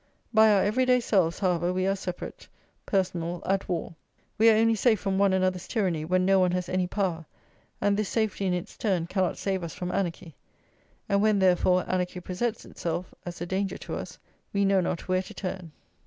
By our everyday selves, however, we are separate, personal, at war; we are only safe from one another's tyranny when no one has any power; and this safety, in its turn, cannot save us from anarchy. And when, therefore, anarchy presents itself as a danger to us, we know not where to turn.